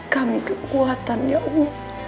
kami kekuatan ya allah